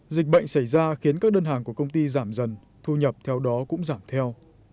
dịch bệnh xảy ra khiến các đơn hàng của công ty giảm dần thu nhập theo đó cũng giảm theo